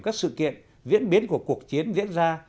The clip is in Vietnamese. các sự kiện diễn biến của cuộc chiến diễn ra